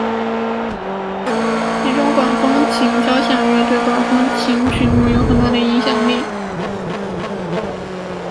其中管风琴交响乐对管风琴曲目有很大的影响力。